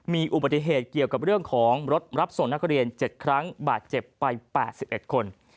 มีอุบัติเหตุเกี่ยวกับเรื่องของรถรับส่งนักเรียน๗ครั้งบาดเจ็บไป๘๑คน